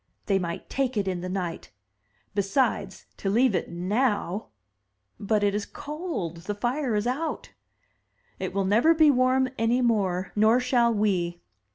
"They might take it in the night. Besides, to leave it now!*' "But it is cold! the fire is out." "It will never be warm any more, nor shall we."